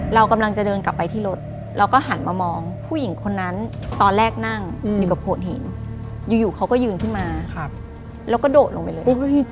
เรากำลังจะเดินกลับไปที่รถเราก็หันมามองผู้หญิงคนนั้นตอนแรกนั่งอยู่กับโขดหินอยู่เขาก็ยืนขึ้นมาแล้วก็โดดลงไปเลย